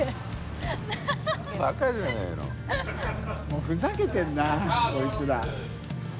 發ふざけてるなこいつら。